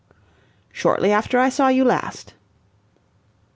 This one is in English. "Shortly after I saw you last."